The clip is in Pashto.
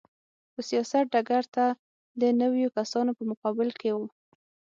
په سیاست ډګر ته د نویو کسانو په مقابل کې و.